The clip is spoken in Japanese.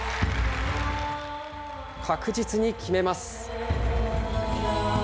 確実に決めます。